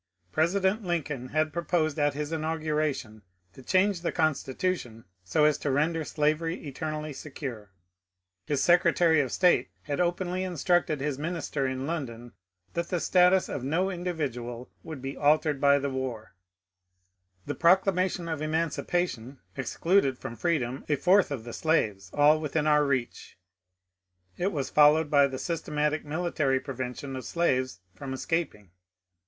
President Lincoln had proposed at his inauguration to change the Con stitution so as to render slavery eternally secure ; his Secr^ tary of State had openly instructed his minister in London that the status of no individual would be altered by the war ; the Proclamation of Emancipation excluded from freedom a fourth of the slaves, all within our reach ; it was followed by the systematic military prevention of slaves from escaping.